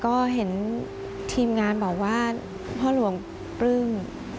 ก็เห็นทีมงานบอกว่าพ่อหลวงปลื้ม